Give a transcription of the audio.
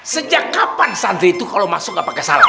sejak kapan sandri itu kalo masuk gak pake salam